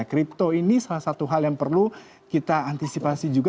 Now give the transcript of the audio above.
kripto ini salah satu hal yang perlu kita antisipasi juga